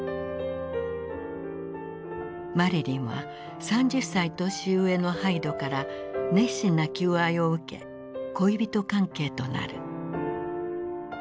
マリリンは３０歳年上のハイドから熱心な求愛を受け恋人関係となる。